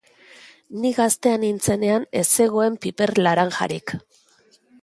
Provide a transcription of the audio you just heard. Ni gaztea nintzenean ez zegoen piper laranjarik.